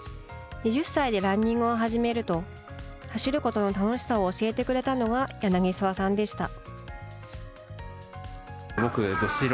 ２０歳でランニングを始めると走ることの楽しさを教えてくれたのが柳澤さんでした。